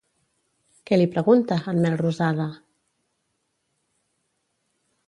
Què li pregunta, en Melrosada?